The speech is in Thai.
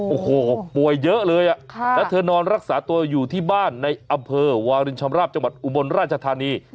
โอ้โหป่วยเยอะเลยแล้วเธอนอนรักษาตัวอยู่ที่บ้านในอำเภอวารินชำราบจังหวัดอุบลราชธานี